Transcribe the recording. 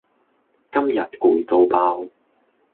今日攰到爆